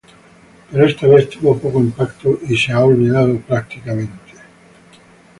Pero esta vez tuvo poco impacto y ha sido prácticamente olvidado.